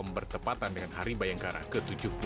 bertepatan dengan hari bayangkara ke tujuh puluh tiga